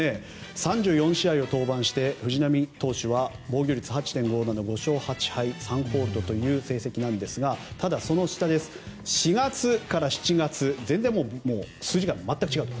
３４試合を登板して藤浪投手は防御率８．５７の５勝８敗３ホールドという成績ですがただその下、４月から７月全然数字が全く違うと。